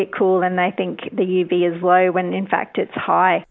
ketika sebenarnya itu tinggi